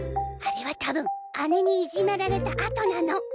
あれはたぶん姉にいじめられた後なの。